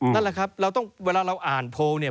นั่นแหละครับเราต้องเวลาเราอ่านโพลเนี่ย